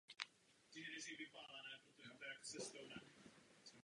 Sama Malá Strana však turisticky navštěvována příliš není.